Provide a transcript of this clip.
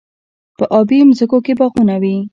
په ابی ځمکو کې باغونه وي.